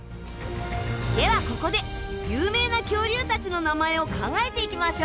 ではここで有名な恐竜たちの名前を考えていきましょう。